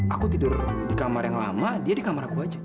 aku tidur di kamar yang lama dia di kamar aku aja